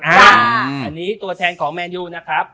อันนี้ตัวแทนของแมนยูนะครับ